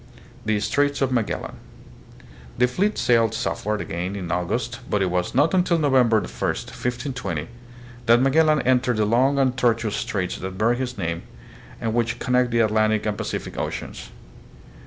The Straits of Magellan. The fleet sailed south ward again in August but it was not until November 1, 1520, that Magellan entered the long and tortuous straits that bear his name and which connect the Atlantic and Pacific oceans.